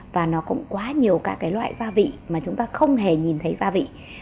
và nó cũng quá nhiều các cái loại gia vị mà chúng ta không hề nhìn thấy gia vị